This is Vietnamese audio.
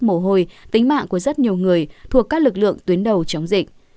mồ hôi tính mạng của rất nhiều người thuộc các lực lượng tuyến đầu chống dịch